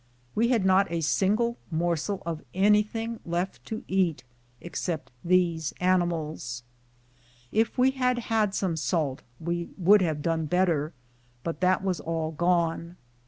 We had not a single morsel of any thing left to eat except these animals. If we had had some salt we would have done better, but that was all gone.